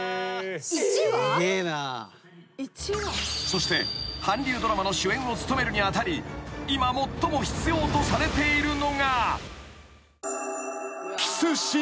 ［そして韓流ドラマの主演を務めるに当たり今最も必要とされているのが］